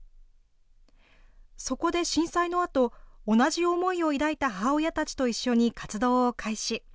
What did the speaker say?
そこで震災のあと、同じ思いを抱いた母親たちと一緒に活動を開始。